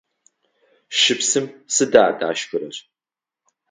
Щыпсым сыда дашхырэр?